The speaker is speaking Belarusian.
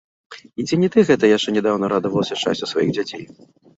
І ці не ты гэта яшчэ нядаўна радавалася шчасцю сваіх дзяцей?